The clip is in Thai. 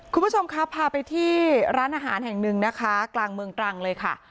คุณผู้ชมครับพาไปที่ร้านอาหารแห่งหนึ่งนะคะกลางเมืองตรังเลยค่ะ